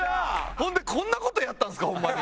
ほんでこんな事やったんですかホンマに。